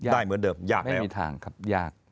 ได้เหมือนเดิมยากไม่มีทางครับยาก